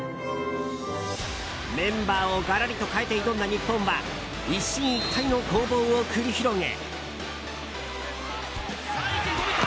メンバーをがらりと変えて挑んだ日本は一進一退の攻防を繰り広げ。